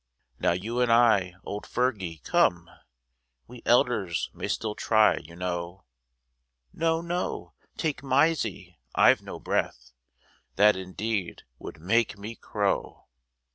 Now you and I, old Fergie, come, We elders may still try, you know, No, no ! take Mysie, I've no breath, That indeed would make me crow